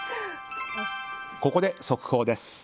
ここで速報です。